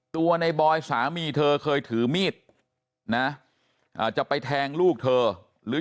ตัวในบอยสามีเธอเคยถือมีดนะจะไปแทงลูกเธอหรือ